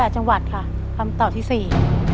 จังหวัดค่ะคำตอบที่สี่